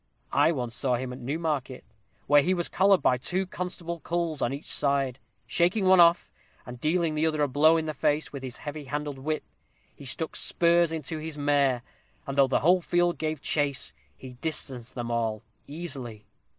I once saw him at Newmarket, where he was collared by two constable culls, one on each side. Shaking off one, and dealing the other a blow in the face with his heavy handled whip, he stuck spurs into his mare, and though the whole field gave chase, he distanced them all, easily."